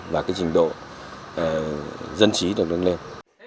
và cái trình độ dân trí được đứng lên